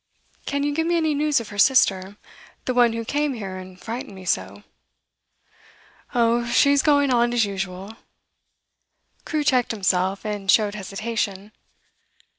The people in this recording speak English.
Can you give me any news of her sister, the one who came here and frightened me so?' 'Oh, she's going on as usual.' Crewe checked himself, and showed hesitation.